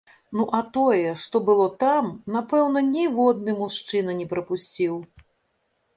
Ну а тое, што было там, напэўна, ніводны мужчына не прапусціў!